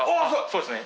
そうですね